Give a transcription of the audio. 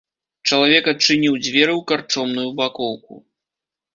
Чалавек адчыніў дзверы ў карчомную бакоўку.